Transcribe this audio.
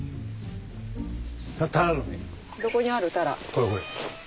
これこれ。